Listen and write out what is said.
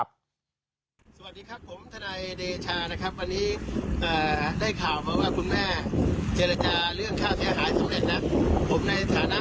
สวัสดีครับผมทนายเดชานะครับ